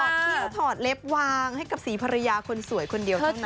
ที่เคี้ยวถอดเล็บที่ถอดเล็บวางให้สีภรรยาคนสวยคนเดียวเท่านั้น